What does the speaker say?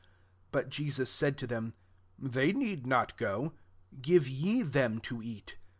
16 But Je sus said to them, " They need iM>t go : give ye them to eat."